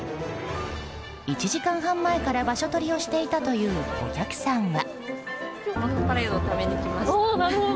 １時間半前から場所取りをしていたというお客さんは。